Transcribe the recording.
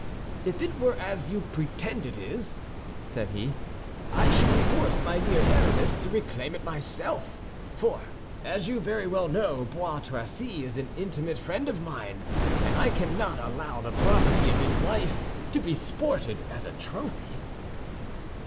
"If it were as you pretend it is," said he, "I should be forced, my dear Aramis, to reclaim it myself; for, as you very well know, Bois Tracy is an intimate friend of mine, and I cannot allow the property of his wife to be sported as a trophy."